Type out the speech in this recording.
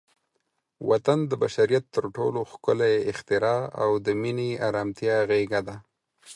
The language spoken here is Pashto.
وطن د بشریت تر ټولو ښکلی اختراع او د مینې، ارامتیا غېږه ده.